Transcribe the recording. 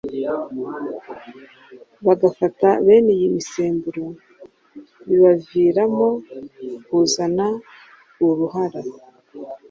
bagafata bene iyi misemburo bibaviramo kuzana uruhara